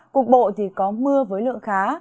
cục bộ có mưa với lượng khá